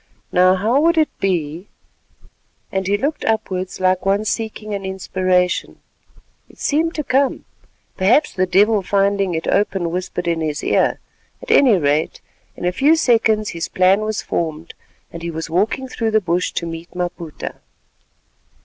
"Now, how would it be——" and he looked upwards like one seeking an inspiration. It seemed to come; perhaps the devil finding it open whispered in his ear, at any rate—in a few seconds his plan was formed, and he was walking through the bush to meet Maputa.